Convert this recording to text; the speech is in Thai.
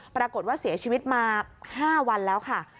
ปรากฏว่าเสียชีวิตมา๕วันแล้วค่ะ